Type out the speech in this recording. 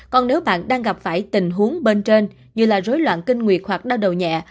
còn nếu bạn đang gặp phải tình huống bên trên như là rối loạn kinh nguyệt hoặc đau đầu nhẹ